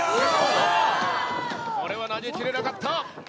これは投げきれなかった。